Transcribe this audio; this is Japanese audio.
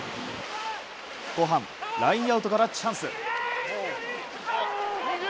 後半、ラインアウトからチャンス。